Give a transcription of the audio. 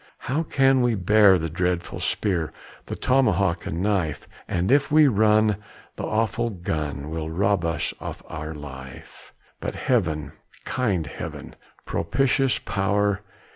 How can we bear the dreadful spear, The tomahawk and knife? And if we run, the awful gun Will rob us of our life. But Heaven! kind Heaven, propitious power!